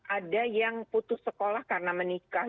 ada yang putus sekolah karena menikah